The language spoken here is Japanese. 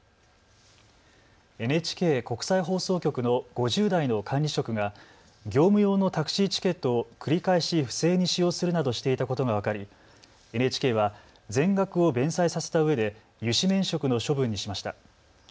ＮＨＫ国際放送局の５０代の管理職が業務用のタクシーチケットを繰り返し不正に使用するなどしていたことが分かりＮＨＫは全額を弁済させたうえで諭旨免職の処分にしました。